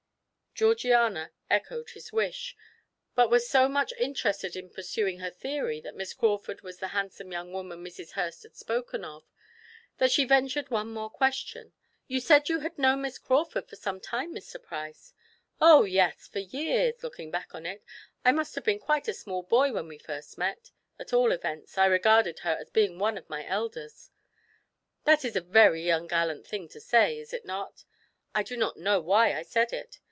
Georgiana echoed his wish, but was so much interested in pursuing her theory that Miss Crawford was the handsome young woman Mrs. Hurst had spoken of, that she ventured one more question: "You said you had known Miss Crawford for some time, Mr. Price?" "Oh, yes, for years; looking back on it, I must have been quite a small boy when we first met; at all events, I regarded her as being one of my elders. That is a very ungallant thing to say, is it not? I do not know why I said it.